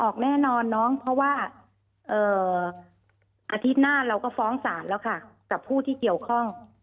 แน่นอนน้องเพราะว่าอาทิตย์หน้าเราก็ฟ้องศาลแล้วค่ะกับผู้ที่เกี่ยวข้อง